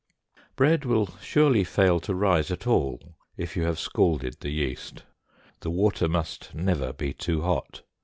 Bread will surely fail to rise at all if you have scalded the yeast; the water must never be too hot.